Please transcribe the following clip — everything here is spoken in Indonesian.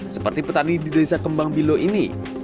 seperti petani di desa kembang bilo ini